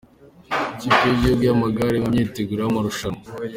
Ikipe y’igihugu y’amagare iri mu myiteguro y’amarushanwa